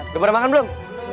udah berapa makan belum